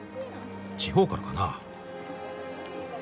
地方からかな。